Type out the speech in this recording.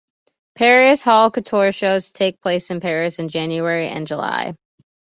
Paris' haute couture shows take place in Paris in January and July.